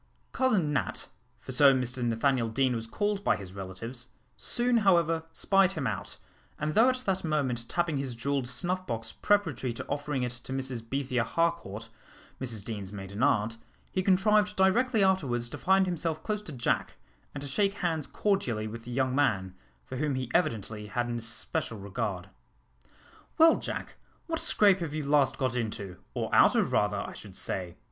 Cousin Nat for so Mr Nathaniel Deane was called by his relatives soon however spied him out, and though at that moment tapping his jewelled snuff box preparatory to offering it to Mrs Bethia Harcourt, Mrs Deane's maiden aunt, he contrived directly afterwards to find himself close to Jack, and to shake hands cordially with the young man, for whom he evidently had an especial regard. "Well, Jack, what scrape have you last got into, or out of rather, I should say?"